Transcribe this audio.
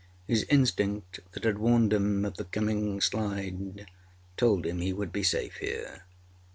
His instinct, that had warned him of the coming slide, told him he would he safe here.